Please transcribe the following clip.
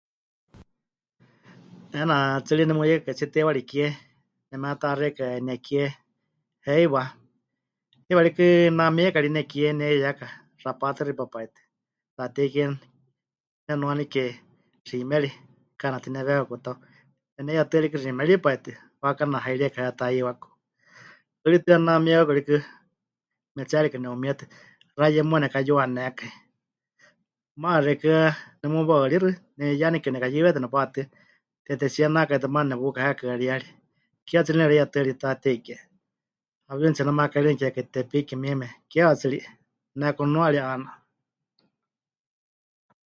'Eena tsɨ ri nemuyeikakaitsie teiwari kie, nemeta'axekai nekie heiwa, heiwa rikɨ namieka ri nekie, neheyeyaka Xapatuxipa pai tɨ Taatei Kie nenuanike xiimeri, ka'anatinewekaku tau, neneyetɨa rikɨ xiimeri pai tɨ, waakana hairieka hetahiwaku, hɨritɨ́a namiekaku rikɨ, metseerikɨ ne'umietɨ, xaye muuwa nekayuanékai, maana xeikɨ́a nemuwaɨrixɨ, nemɨyeyanikekai nekayɨwetɨ nepatɨa, tetesíe nakaitɨ maana nepukaheekɨaríyarie, keewa tsɨ nereyetɨa ri Taatei Kie, hawiunitsie nemakayerɨnikekai Tepiki mieme, keewa tsɨ ri, nenekunua ri 'aana.